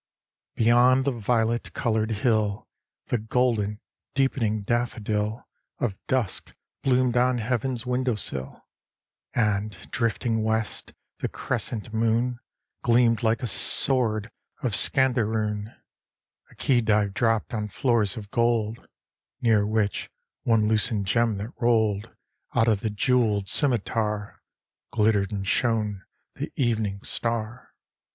XXVI Beyond the violet colored hill The golden, deepening daffodil Of dusk bloomed on heav'n's window sill: And, drifting west, the crescent moon Gleamed like a sword of Scanderoon A khedive dropped on floors of gold; Near which, one loosened gem that rolled Out of the jewelled scimitar, Glittered and shone the evening star.